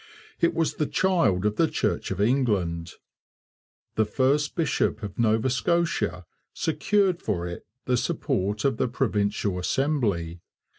It was the child of the Church of England. The first bishop of Nova Scotia secured for it the support of the provincial Assembly.